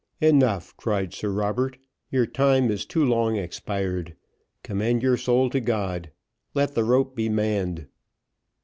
"Enough," cried Sir Robert, "your time is too long expired. Commend your soul to God let the rope be manned."